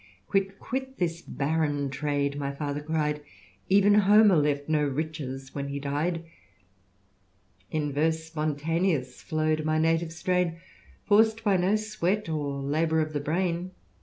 Quit, quit this barren trade, my father cry'd ; Ev'n Homer left no riches when he dy*d In verse spontaneous flow'd my native strain, Forc'd by no sweat or labour of the brain."